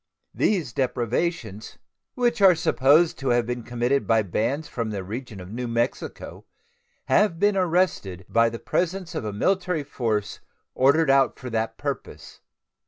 These depredations, which are supposed to have been committed by bands from the region of New Mexico, have been arrested by the presence of a military force ordered out for that purpose.